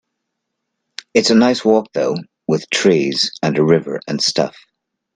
It's a nice walk though, with trees and a river and stuff.